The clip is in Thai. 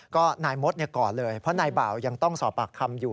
ก็นายมดกอดเลยเพราะนายบ่าวยังต้องสอบปากคำอยู่